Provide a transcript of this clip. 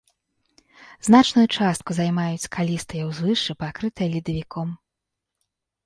Значную частку займаюць скалістыя ўзвышшы, пакрытыя ледавіком.